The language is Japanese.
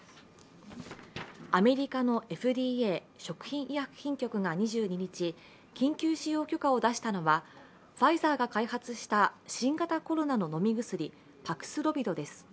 アメリカのＦＤＡ＝食品医薬品局が２２日、緊急使用許可を出したのはファイザーが開発した新型コロナの飲み薬、パクスロビドです。